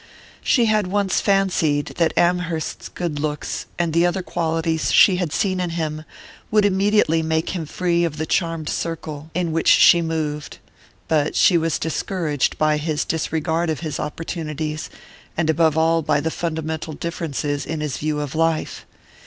She had once fancied that Amherst's good looks, and the other qualities she had seen in him, would immediately make him free of the charmed circle in which she moved; but she was discouraged by his disregard of his opportunities, and above all by the fundamental differences in his view of life.